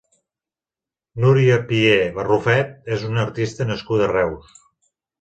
Núria Pié Barrufet és una artista nascuda a Reus.